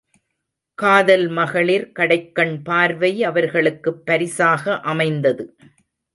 காதல் மகளிர் கடைக்கண் பார்வை அவர்களுக்குப் பரிசாக அமைந்தது.